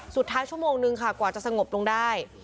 สุดท้ายชั่วโมงนึงค่ะกว่าจะสงบลงได้